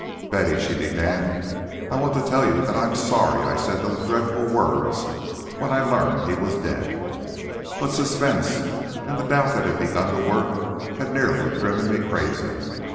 "Betty," she began, "I want to tell you that I'm sorry I said those dreadful words when I learned he was dead. But suspense and the doubt that had begun to work had nearly driven me crazy.